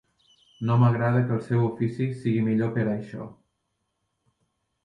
No m'agrada que el seu ofici sigui millor per això.